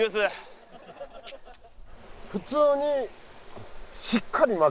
普通に。